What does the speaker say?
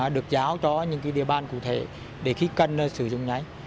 được giáo cho những cái địa bàn cụ thể để khí cần là sử dụng nháy